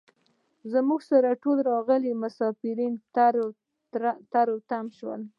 زموږ سره ټول راغلي مسافر تري تم شوي وو.